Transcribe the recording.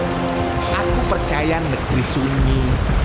aku percaya negeri sunyi